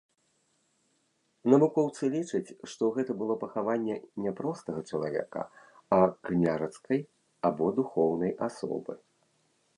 Навукоўцы лічаць, што гэта было пахаванне не простага чалавека, а княжацкай або духоўнай асобы.